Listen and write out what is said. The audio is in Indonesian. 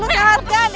lu sehat kan